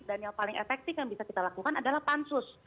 dan yang paling efektif yang bisa kita lakukan adalah pansus